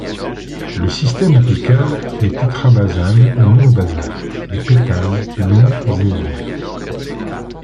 Le système apical est tétrabasal ou monobasal, les pétales longs et ouverts.